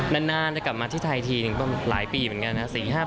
นานจะกลับมาที่ไทยทีหนึ่งก็หลายปีเหมือนกันนะ